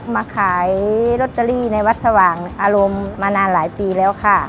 มาขายลอตเตอรี่ในวัดสว่างอารมณ์มานานหลายปีแล้วค่ะ